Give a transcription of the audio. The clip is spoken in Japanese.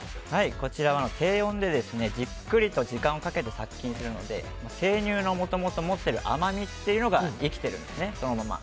こちらは低温でじっくりと時間をかけて殺菌するので生乳のもともと持っている甘みというのが生きてるんですね、そのまま。